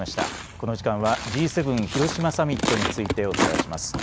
この時間はＧ７広島サミットについてお伝えします。